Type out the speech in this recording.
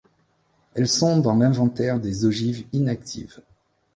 Elles sont dans l'inventaire des ogives inactives.